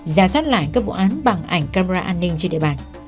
ra soát lại các vụ án bằng ảnh camera an ninh trên địa bàn